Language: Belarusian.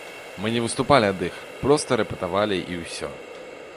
Мы не выступалі ад іх, проста рэпетавалі і ўсё.